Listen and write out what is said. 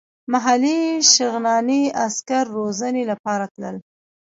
محلي شغناني عسکر روزنې لپاره تلل.